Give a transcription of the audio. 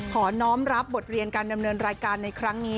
น้องรับบทเรียนการดำเนินรายการในครั้งนี้